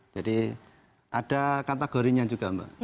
jadi ada kategorinya juga pak